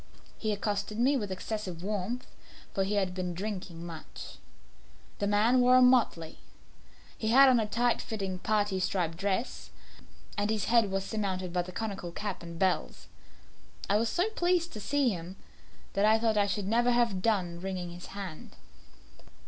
He accosted me with excessive warmth, for he had been drinking much. The man wore motley. He had on a tight fitting parti striped dress, and his head was surmounted by the conical cap and bells. I was so pleased to see him, that I thought I should never have done wringing his hand.